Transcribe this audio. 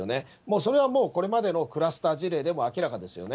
それはもうこれまでのクラスター事例でも明らかですよね。